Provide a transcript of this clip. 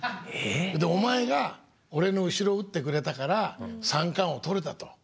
「お前が俺の後ろを打ってくれたから三冠王取れた」と。